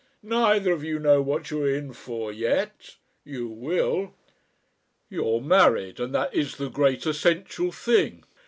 Neither of you know what you are in for yet. You will. You're married, and that is the great essential thing....